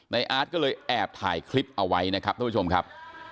อาร์ตก็เลยแอบถ่ายคลิปเอาไว้นะครับท่านผู้ชมครับ